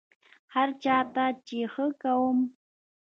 هر چا ته چې ښه کوم،